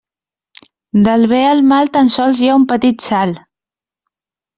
Del bé al mal tan sols hi ha un petit salt.